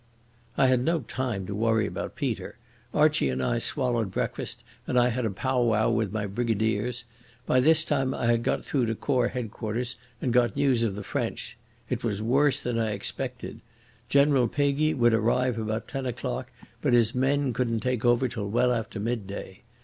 I had no time to worry about Peter. Archie and I swallowed breakfast and I had a pow wow with my brigadiers. By this time I had got through to Corps H.Q. and got news of the French. It was worse than I expected. General Peguy would arrive about ten o'clock, but his men couldn't take over till well after midday.